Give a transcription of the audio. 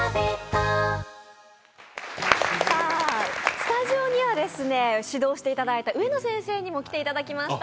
スタジオには指導していただいた上野先生にも来ていただきました。